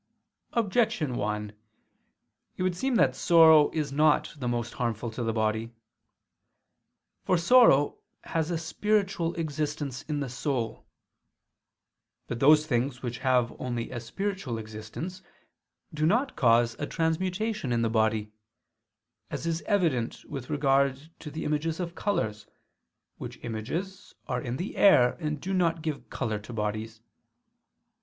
Objection 1: It would seem that sorrow is not most harmful to the body. For sorrow has a spiritual existence in the soul. But those things which have only a spiritual existence do not cause a transmutation in the body: as is evident with regard to the images of colors, which images are in the air and do not give color to bodies.